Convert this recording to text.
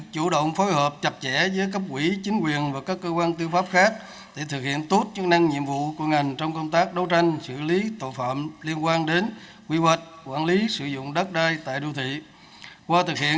một trăm linh của các tòa án nhân dân tối cao nguyễn hòa bình các tòa án liên quan đến quy hoạch quản lý và sử dụng đất đai tại đô thị được đưa ra